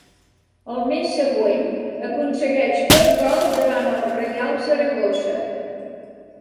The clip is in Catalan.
Al mes següent, aconsegueix dos gols davant el Reial Saragossa.